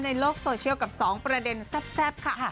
ในโลกโซเชียลกับสองประเด็นแซ่บแซ่บค่ะค่ะ